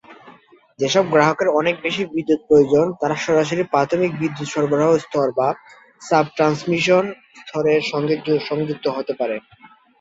যেসব গ্রাহকের অনেক বেশি বিদ্যুৎ প্রয়োজন তারা সরাসরি প্রাথমিক বিদ্যুৎ সরবরাহ স্তর বা সাব ট্রান্সমিশন স্তরের সঙ্গে সংযুক্ত হতে পারে।